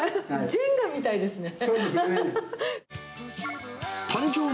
ジェンガみたいですね。